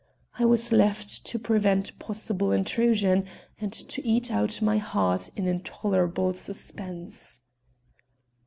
I was left to prevent possible intrusion and to eat out my heart in intolerable suspense.